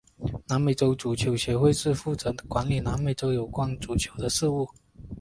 南美洲足球协会是负责管理南美洲有关足球的事务。